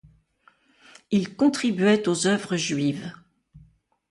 Il contribuait aux œuvres juives.